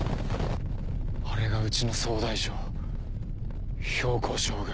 あれがうちの総大将・公将軍。